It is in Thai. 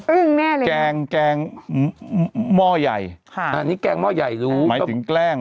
อึ้งแน่เลย